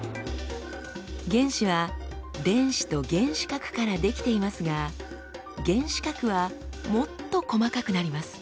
原子は電子と原子核から出来ていますが原子核はもっと細かくなります。